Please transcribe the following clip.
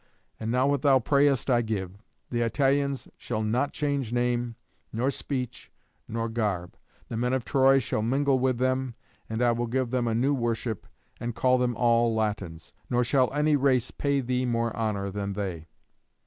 And now what thou prayest I give. The Italians shall not change name, nor speech, nor garb. The men of Troy shall mingle with them, and I will give them a new worship, and call them all Latins. Nor shall any race pay thee more honour than they."